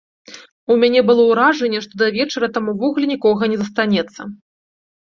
У мяне было ўражанне, што да вечара там ўвогуле нікога не застанецца.